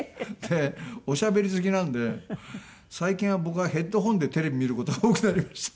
おしゃべり好きなんで最近は僕はヘッドホンでテレビ見る事が多くなりました。